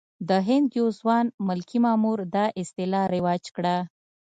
د هند یو ځوان ملکي مامور دا اصطلاح رواج کړه.